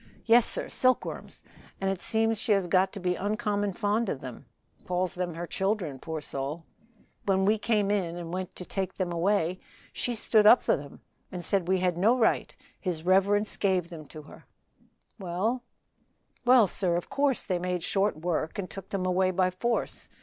"Yes, sir, silkworms, and it seems she has got to be uncommon fond of them, calls 'em her children, poor soul. When we came in and went to take them away she stood up for 'em and said we had no right his reverence gave them her." "Well?" "Well, sir, of course they made short work and took them away by force.